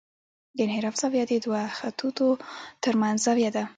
د انحراف زاویه د دوه خطونو ترمنځ زاویه ده